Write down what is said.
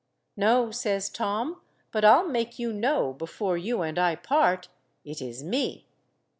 "No," says Tom, "but I'll make you know, before you and I part, it is me."